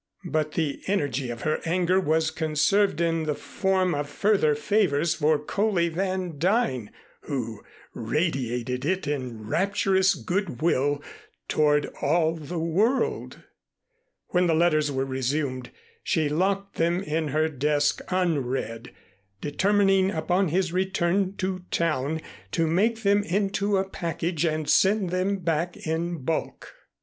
But the energy of her anger was conserved in the form of further favors for Coley Van Duyn who radiated it in rapturous good will toward all the world. When the letters were resumed, she locked them in her desk unread, determining upon his return to town to make them into a package and send them back in bulk.